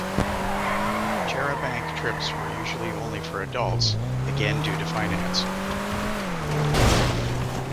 "Charabanc trips" were usually only for adults, again due to finance.